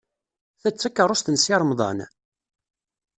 Ta d takeṛṛust n Si Remḍan?